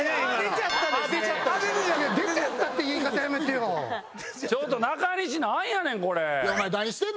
ちょっと中西何やねん？